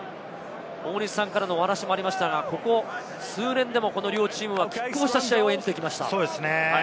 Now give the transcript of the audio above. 大西さんからもありましたが、ここ数年でも、この両チームが拮抗した試合を演じてきました。